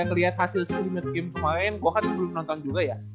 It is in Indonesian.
ngelihat hasil scrims game kemaren gua kan belum nonton juga ya